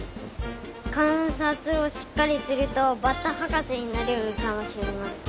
かんさつをしっかりするとバッタはかせになれるかもしれません。